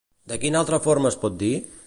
De quina altra forma es pot dir?